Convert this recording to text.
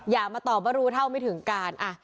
อย่ามาตอบว่ารู้เท่าไม่ถึงการ